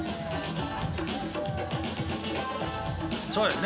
そうですね。